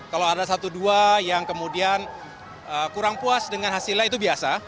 kalau ada satu dua yang kemudian kurang puas dengan hasilnya itu biasa